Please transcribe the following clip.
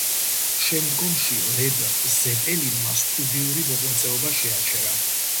შემდგომში ლედ ზეპელინმა სტუდიური მოღვაწეობა შეაჩერა.